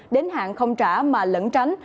đến hạn không trả mà lẫn tránh